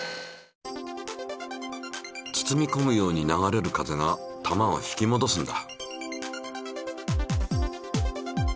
包みこむように流れる風が球を引きもどすんだ。